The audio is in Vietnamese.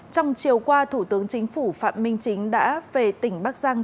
trong chiều qua thủ tướng chính phủ phạm minh chính đã về tỉnh bắc giang